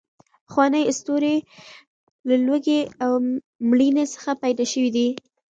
پخوانۍ اسطورې له لوږې او مړینې څخه پیدا شوې دي.